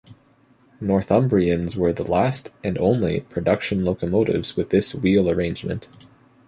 "Northumbrians" were the last, and only, production locomotives with this wheel arrangement.